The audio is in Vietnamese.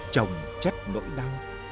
trồng chất nỗi đau